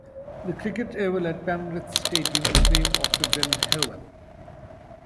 The Cricket oval at Penrith Stadium is named after Bill Howell.